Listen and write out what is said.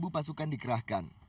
tiga ribu pasukan dikerahkan